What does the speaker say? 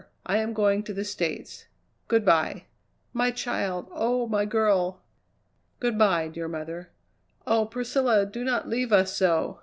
I am going to the States. Good bye." "My child! oh! my girl!" "Good bye, dear mother." "Oh, Priscilla! Do not leave us so!"